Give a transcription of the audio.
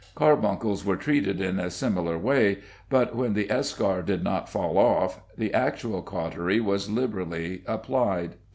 Carbuncles were treated in a similar way, but when the eschar did not fall off the actual cautery was liberally applied.